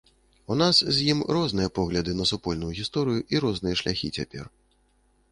І ў нас з ім розныя погляды на супольную гісторыю і розныя шляхі цяпер.